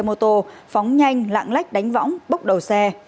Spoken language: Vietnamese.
tổ chức đua xe mô tô phóng nhanh lạng lách đánh võng bốc đầu xe